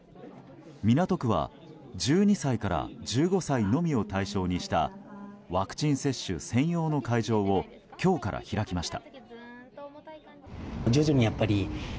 港区は１２歳から１５歳のみを対象にしたワクチン接種専用の会場を今日から開きました。